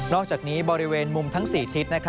อกจากนี้บริเวณมุมทั้ง๔ทิศ